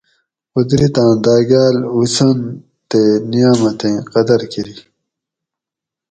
قدرتاں داۤگاۤل حسن تے نعمتیں قدر کۤری